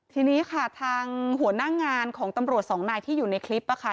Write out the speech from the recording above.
ทีนี้ค่ะทางหัวหน้างานของตำรวจสองนายที่อยู่ในคลิปค่ะ